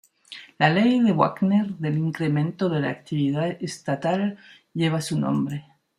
La ley de Wagner del incremento de la actividad estatal lleva su nombre.